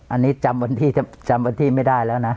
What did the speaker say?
อันนี้จำวันที่ไม่ได้แล้วนะ